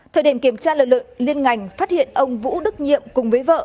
thời điểm kiểm tra lực lượng liên ngành phát hiện ông vũ đức nhiệm cùng với vợ